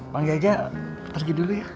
mang jajah pergi dulu ya